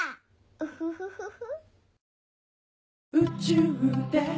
ウフフフフ。